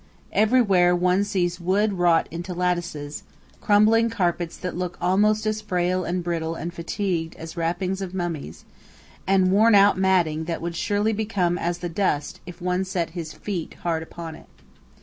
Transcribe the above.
Everywhere one sees wood wrought into lattices, crumbling carpets that look almost as frail and brittle and fatigued as wrappings of mummies, and worn out matting that would surely become as the dust if one set his feet hard upon it.